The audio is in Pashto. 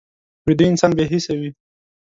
ویده انسان بې حسه وي